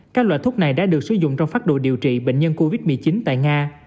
các loại thuốc này đã được sử dụng trong phát đồ điều trị bệnh nhân covid một mươi chín tại nga